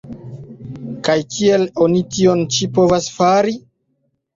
Kaj kiel oni tion ĉi povas fari?